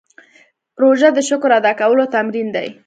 روژه د شکر ادا کولو تمرین دی.